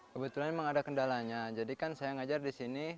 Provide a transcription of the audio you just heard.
kebetulan memang ada kendalanya jadi kan saya ngajar di sini